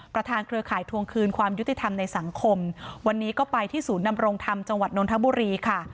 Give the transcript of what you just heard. เครือข่ายทวงคืนความยุติธรรมในสังคมวันนี้ก็ไปที่ศูนย์นำรงธรรมจังหวัดนทบุรีค่ะ